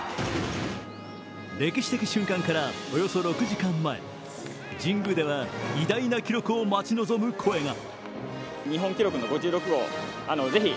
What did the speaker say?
歴史的瞬間からおよそ６時間前、神宮では偉大な記録を待ち望む声が。